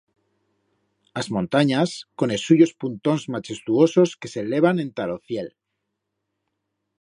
As montanyas, con es suyos puntons machestuosos que s'elevan enta ro ciel.